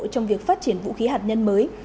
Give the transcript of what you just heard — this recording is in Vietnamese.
trong việc phát triển vũ khí hạt nhân mới